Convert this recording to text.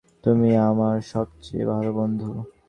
তুমি আমার সবচেয়ে ভালো বন্ধু।